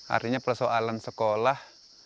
artinya persoalan sekolah